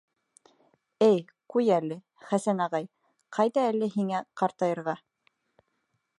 — Эй, ҡуй әле, Хәсән ағай, ҡайҙа әле һиңә ҡартайырға?!